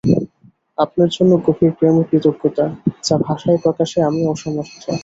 আপনার জন্য গভীর প্রেম ও কৃতজ্ঞতা, যা ভাষায় প্রকাশে আমি অসমর্থ।